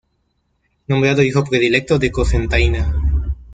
Nombrado hijo predilecto de Cocentaina.